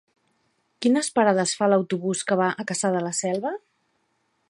Quines parades fa l'autobús que va a Cassà de la Selva?